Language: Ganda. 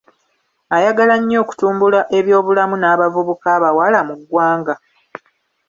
Ayagala nnyo okutumbula ebyobulamu n'abavubuka abawala mu ggwanga